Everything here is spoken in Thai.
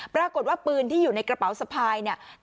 ปรากฏว่าปืนที่อยู่ในกระเป๋าสะพายเนี่ย